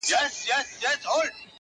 زه په تنهايي کي لاهم سور یمه,